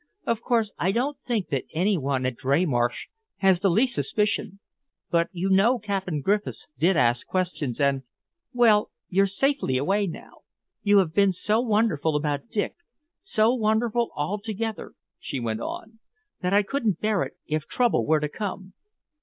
"Of course, I don't think that any one at Dreymarsh has the least suspicion, but you know Captain Griffiths did ask questions, and well, you're safely away now. You have been so wonderful about Dick, so wonderful altogether," she went on, "that I couldn't bear it if trouble were to come."